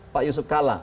pak yusuf kalla